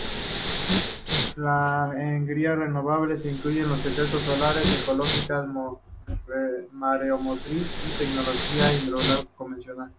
Las energías renovables incluyen los sectores solares, eólica, mareomotriz, y tecnología hidráulica convencional.